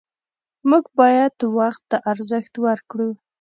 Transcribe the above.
موږ باید وخت ته ارزښت ورکړو